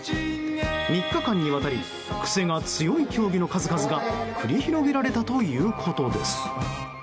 ３日間にわたり癖が強い競技の数々が繰り広げられたということです。